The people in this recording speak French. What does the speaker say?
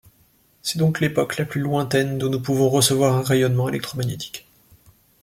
C'est donc l'époque la plus lointaine d'où nous pouvons recevoir un rayonnement électromagnétique.